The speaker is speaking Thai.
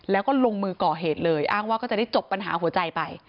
แล้วก็ลงมือก่อเหตุเลยอ้างว่าก็จะได้จบปัญหาหัวใจไป